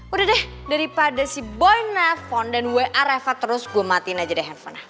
udah deh daripada si boen nelfon dan wa refat terus gue matiin aja deh handphone